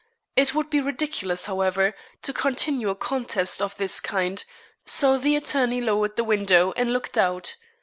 It would be ridiculous, however, to continue a contest of this kind; so the attorney lowered the window and looked out.